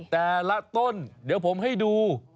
แต่ละต้นเดี๋ยวผมให้ดู